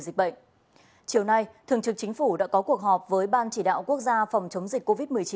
dịch bệnh chiều nay thường trực chính phủ đã có cuộc họp với ban chỉ đạo quốc gia phòng chống dịch covid một mươi chín